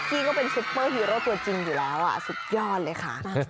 กี้ก็เป็นซุปเปอร์ฮีโร่ตัวจริงอยู่แล้วสุดยอดเลยค่ะ